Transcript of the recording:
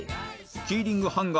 キーリングハンガー。